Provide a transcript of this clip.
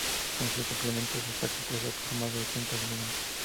Con sus suplementos está compuesta por más de ochenta volúmenes.